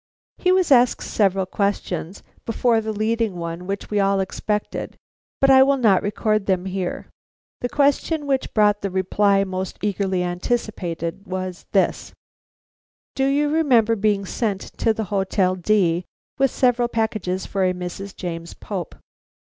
He was asked several questions before the leading one which we all expected; but I will not record them here. The question which brought the reply most eagerly anticipated was this: "Do you remember being sent to the Hotel D with several packages for a Mrs. James Pope?"